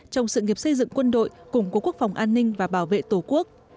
trong sự nghiệp xây dựng quân đội củng cố quốc phòng an ninh và bảo vệ tổ quốc